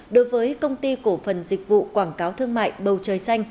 đối với công ty cổ phần dịch vụ quảng cáo thương mại bầu trời xanh